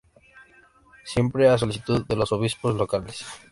Siempre a solicitud de los obispos locales.